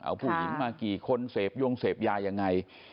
เอาผู้หญิงมากี่คนเสพยงเสพยายังไง